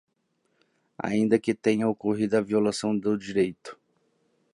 ainda que tenha ocorrido a violação do direito.